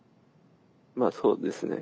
まあそうですね。